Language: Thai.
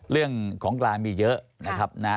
เรื่องของกลางมีเยอะนะครับนะ